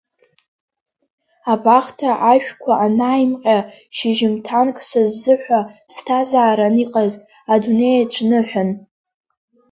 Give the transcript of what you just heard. Абахҭа ашәқәа анааимҟьа шьыжьымҭанк са сзыҳәа, ԥсҭазааран иҟаз, адунеиаҿ ныҳәан.